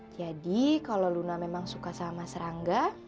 jadi kalo luna memang suka sama mas rangga